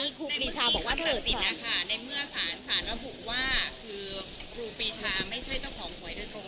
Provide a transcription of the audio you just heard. ในเมื่อสารระบุว่าคือครูปีชาไม่ใช่เจ้าของถ่วยเสนอฐง